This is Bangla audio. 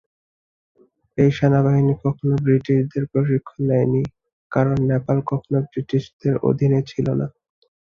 এই সেনাবাহিনী কখনো ব্রিটিশদের প্রশিক্ষণ নেয়নি কারণ নেপাল কখনো ব্রিটিশদের অধীনে ছিলোনা।